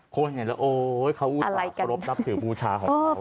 คนเห็นแล้วโอ๊ยเขารบนับถือบูชาของเขา